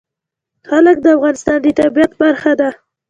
جلګه د افغانستان د طبیعت برخه ده.